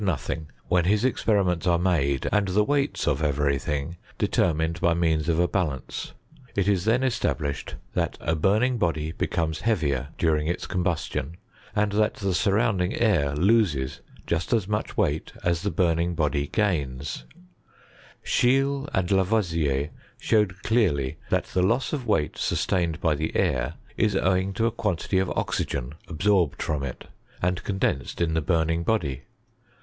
nothing, when his experiments arc made, and the weights of eveiy thing determined by means of k balance: it is then eEtablished that a burning body becomes heavier during its combustion, and that the (BuiTouitding air loees just as much weight as the burning body gains, bcbeele and Lavoisier showed clearly that the loss of weight sustained by the air is owing to a quantity of oxygen absorbed fiom it, and condensed in the burning body.